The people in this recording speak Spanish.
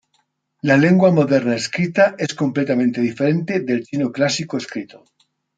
La lengua moderna escrita es completamente diferente del chino clásico escrito.